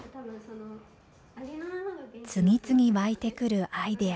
次々湧いてくるアイデア。